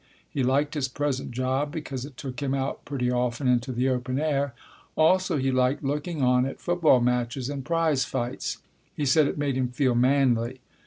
He liked his present job, because it took him out pretty often into the open air. Also he liked looking on at football matches and prize fights. He said it made him feel manly.